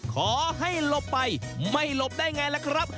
ขอให้ลบไปไม่ลบได้อย่างไรล่ะครับ